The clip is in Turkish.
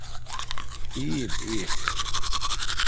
İyiyim, iyi.